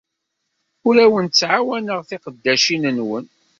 Ur awen-ttɛawaneɣ tiqeddacin-nwen.